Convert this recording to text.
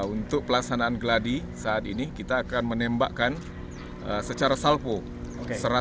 untuk pelaksanaan geladi saat ini kita akan menembakkan secara salpo